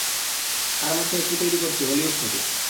তার মধ্যে একটি তৈরি করছি হলিউড থেকে।